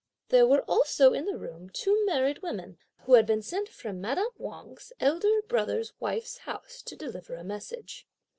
There were also in the room two married women, who had been sent from madame Wang's elder brother's wife's house to deliver a message.